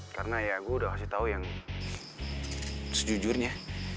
karena ya gue udah kasih tau yang sejujurnya